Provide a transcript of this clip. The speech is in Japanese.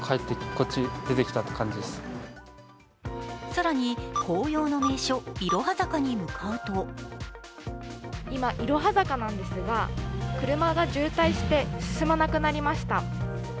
更に紅葉の名所、いろは坂に向かうと今、いろは坂なんですが、車が渋滞して進まなくなりました。